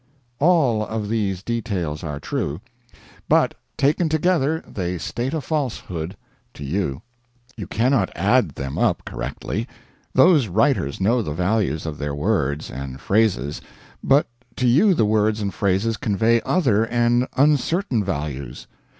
All of these details are true. But, taken together, they state a falsehood to you. You cannot add them up correctly. Those writers know the values of their words and phrases, but to you the words and phrases convey other and uncertain values.